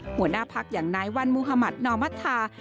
หัวหน้าพักอย่างนายวันมุธมัธนอมัธา